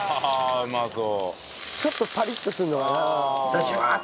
うまそう。